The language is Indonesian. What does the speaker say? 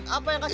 apa yang kacau